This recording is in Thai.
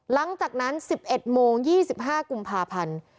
หลังจากนั้น๑๑โมง๒๕กุมภาพันธ์